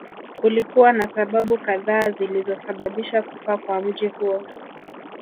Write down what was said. Kulikuwa na sababu kadhaa zilizosababisha kufa kwa mji huo